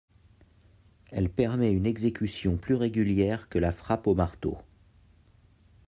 Elle permet une exécution plus régulière que la frappe au marteau.